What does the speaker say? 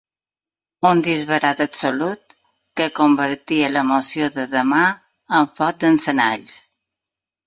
Un disbarat absolut que convertia la moció de demà en foc d’encenalls.